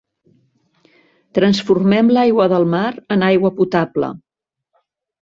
Transformem l'aigua del mar en aigua potable.